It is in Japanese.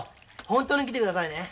本当に来てくださいね。